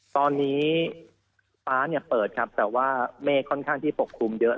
ตอนนี้ฟ้าเปิดครับแต่ว่าเมฆค่อนข้างที่ปกคลุมเยอะ